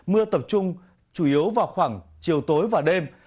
mưa tập trung chủ yếu vào khoảng chiều tối và đêm